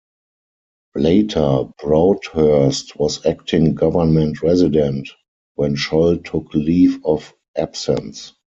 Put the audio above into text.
Later Broadhurst was Acting Government Resident when Sholl took leave of absence.